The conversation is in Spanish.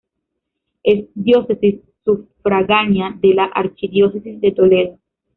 Es diócesis sufragánea de la archidiócesis de Toledo.